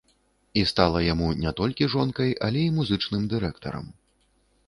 І стала яму не толькі жонкай, але і музычным дырэктарам.